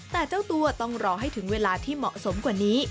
แต่เจ้าตัวต้องรอให้ถึงเวลาที่เหมาะสมกว่านี้